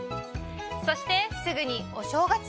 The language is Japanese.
そしてすぐにお正月！